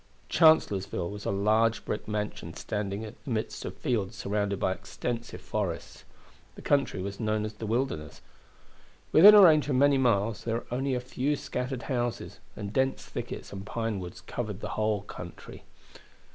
Chancellorsville was a large brick mansion standing in the midst of fields surrounded by extensive forests. The country was known as the Wilderness. Within a range of many miles there were only a few scattered houses, and dense thickets and pine woods covered the whole country.